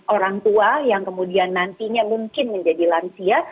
orang tua yang kemudian nantinya mungkin menjadi lansia